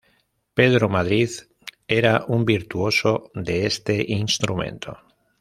Pedro Madrid era un virtuoso de este instrumento.